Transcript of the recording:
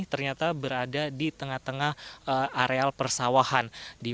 ternyata berada di tengah tengah areal persawahan